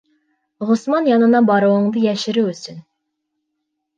Ғосман янына барыуыңды йәшереү өсөн.